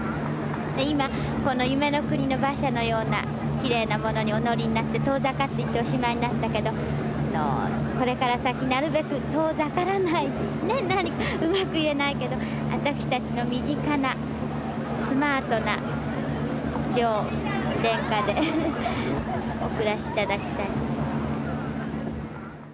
今この夢の国の馬車のようなきれいなものにお乗りになって遠ざかっていっておしまいになったけどこれから先うまく言えないけど私たちの身近なスマートな両殿下でお暮らし頂きたい。